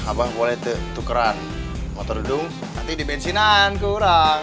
abah boleh tukeran motornya dong nanti dibensinan kurang